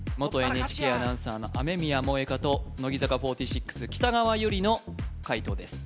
元ＮＨＫアナウンサーの雨宮萌果と乃木坂４６北川悠理の解答です